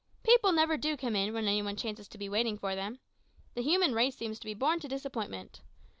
"People never do come in when any one chances to be waiting for them. The human race seems to be born to disappointment.